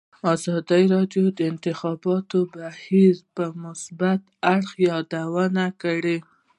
ازادي راډیو د د انتخاباتو بهیر د مثبتو اړخونو یادونه کړې.